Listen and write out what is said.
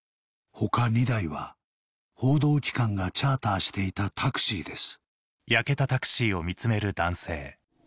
他２台は報道機関がチャーターしていたタクシーです